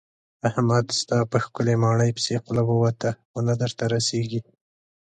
احمد ستا په ښکلې ماڼۍ پسې خوله ووته خو نه درته رسېږي.